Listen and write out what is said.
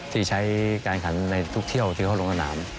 ที่ใช้การขันในทุกเที่ยวที่เขาลงสนาม